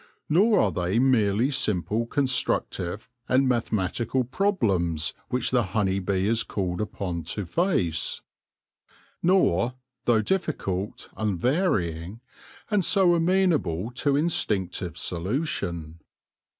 Nor are they merely simple constructive and mathe matical problems which the honey bee is called upon to face ; nor, though difficult, unvarying, and so amenable to instinctive solution.